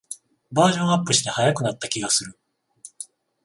バージョンアップして速くなった気がする